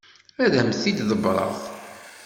Ad am-t-id-ḍebbreɣ.